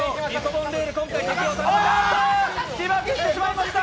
自爆してしまいました